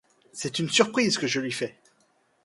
C'est une surprise que je lui fais !